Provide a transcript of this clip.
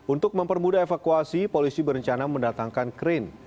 untuk mempermudah evakuasi polisi berencana mendatangkan krin